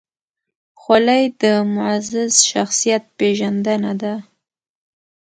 خولۍ د معزز شخصیت پېژندنه ده.